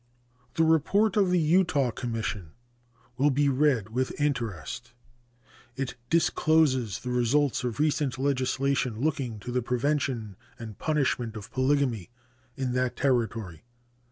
The report of the Utah Commission will be read with interest. It discloses the results of recent legislation looking to the prevention and punishment of polygamy in that Territory.